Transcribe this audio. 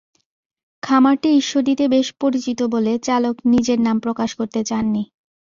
খামারটি ঈশ্বরদীতে বেশ পরিচিত বলে চালক নিজের নাম প্রকাশ করতে চাননি।